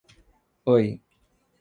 Oi.